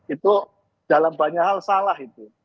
itu dalam banyak hal salah itu